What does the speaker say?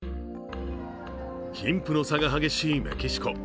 貧富の差が激しいメキシコ。